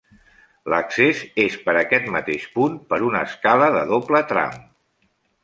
L'accés és per aquest mateix punt, per una escala de doble tram.